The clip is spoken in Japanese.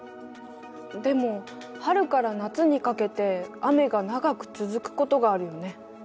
でも春から夏にかけて雨が長く続くことがあるよね。